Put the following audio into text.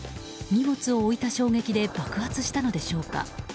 荷物を置いた衝撃で爆発したのでしょうか。